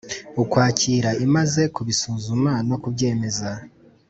Ukwakira imaze kubisuzuma no kubyemeza